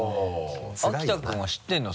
秋田君は知ってるの？